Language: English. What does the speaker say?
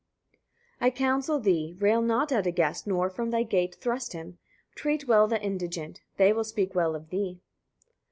137. I counsel thee, etc. Rail not at a guest, nor from thy gate thrust him; treat well the indigent; they will speak well of thee.